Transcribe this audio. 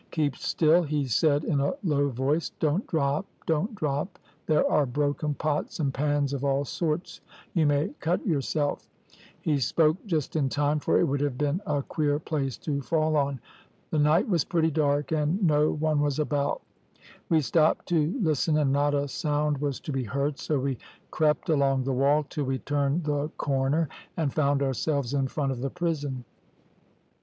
`Keep still,' he said in a low voice, `don't drop? don't drop! there are broken pots and pans of all sorts, you may cut yourself.' He spoke just in time, for it would have been a queer place to fall on. The night was pretty dark, and no one was about. We stopped to listen, and not a sound was to be heard, so we crept along the wall till we turned the corner, and found ourselves in front of the prison.